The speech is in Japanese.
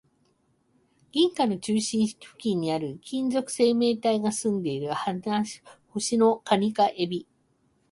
銀河の中心付近にある、金属生命体が住んでいる星の蟹か海老